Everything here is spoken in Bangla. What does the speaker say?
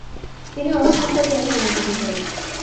তিনি অস্ত্র উৎপাদনে মনোযোগী হন।